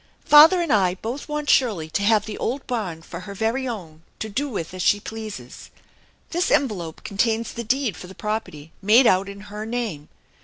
" Father and I both want Shirley to have the old barn for her very own, to do with as she pleases. This en velope contains the deed for the property made out in her name.